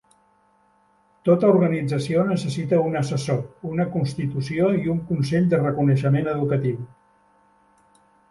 Tota organització necessita un assessor, una constitució i un consell de reconeixement educatiu.